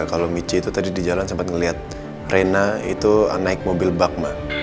kalau michi itu tadi di jalan sempat ngeliat reina itu naik mobil bakma